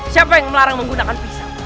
siapa yang melarang menggunakan visa